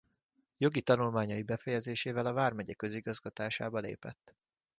Jogi tanulmányai befejezésével a vármegye közigazgatásába lépett.